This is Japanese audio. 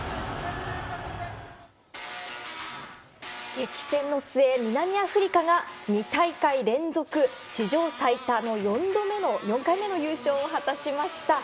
激戦の末、南アフリカが２大会連続史上最多の４回目の優勝を果たしました。